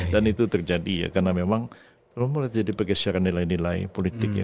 dan itu terjadi ya karena memang mulai jadi pegeseran nilai nilai politik ya